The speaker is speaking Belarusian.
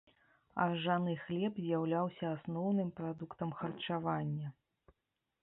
Аржаны хлеб з'яўляўся асноўным прадуктам харчавання.